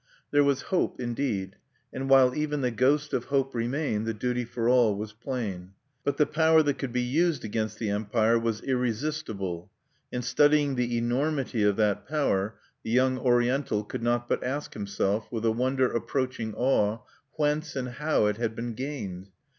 There was hope, indeed; and while even the ghost of hope remained, the duty for all was plain. But the power that could be used against the Empire was irresistible. And studying the enormity of that power, the young Oriental could not but ask himself, with a wonder approaching awe, whence and how it had been gained.